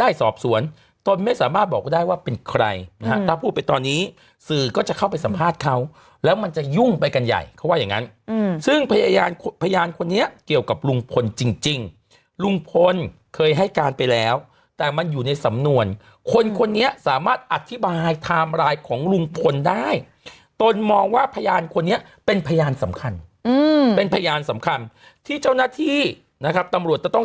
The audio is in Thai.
ได้สอบสวนตนไม่สามารถบอกได้ว่าเป็นใครนะฮะถ้าพูดไปตอนนี้สื่อก็จะเข้าไปสัมภาษณ์เขาแล้วมันจะยุ่งไปกันใหญ่เขาว่าอย่างงั้นซึ่งพยานพยานคนนี้เกี่ยวกับลุงพลจริงลุงพลเคยให้การไปแล้วแต่มันอยู่ในสำนวนคนคนนี้สามารถอธิบายไทม์ไลน์ของลุงพลได้ตนมองว่าพยานคนนี้เป็นพยานสำคัญเป็นพยานสำคัญที่เจ้าหน้าที่นะครับตำรวจจะต้อง